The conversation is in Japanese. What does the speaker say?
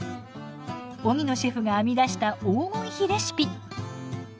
荻野シェフが編み出した黄金比レシピ。